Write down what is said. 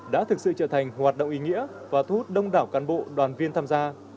đã thực sự trở thành hoạt động ý nghĩa và thu hút đông đảo cán bộ đoàn viên tham gia